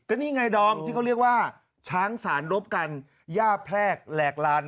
นี่ไงดอมที่เขาเรียกว่าช้างสารรบกันย่าแพรกแหลกลาน